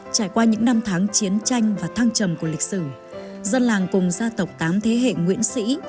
trải qua những năm tháng chiến tranh và thăng trầm của lịch sử dân làng cùng gia tộc tám thế hệ nguyễn sĩ